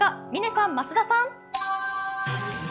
嶺さん、増田さん。